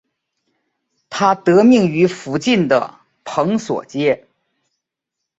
它得名于附近的蓬索街。